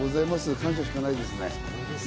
感謝しかないです。